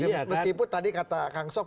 meskipun tadi kata kang sob